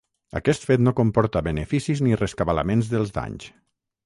Aquest fet no comporta beneficis ni rescabalaments dels danys.